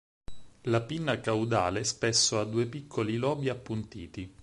La pinna caudale spesso ha due piccoli lobi appuntiti.